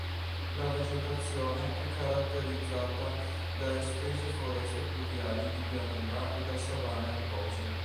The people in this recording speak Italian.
La vegetazione è caratterizzata da estese foreste pluviali di pianura e da savane erbose.